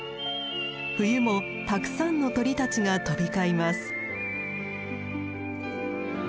冬もたくさんの鳥たちが飛び交います。